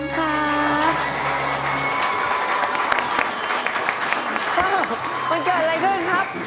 คุณผู้ชมสะกดให้มีมนต์ข้าง